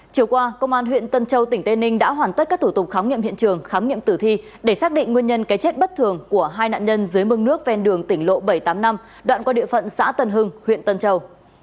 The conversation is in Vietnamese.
chiều qua công an huyện tân châu tỉnh tây ninh đã hoàn tất các thủ tục khám nghiệm hiện trường khám nghiệm tử thi để xác định nguyên nhân cái chết bất thường của hai nạn nhân dưới mương nước ven đường tỉnh lộ bảy trăm tám mươi năm đoạn qua địa phận xã tân hưng huyện tân châu